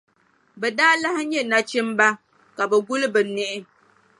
Bɛ daa lahi nya nachimba ka bɛ guli bɛ niɣi.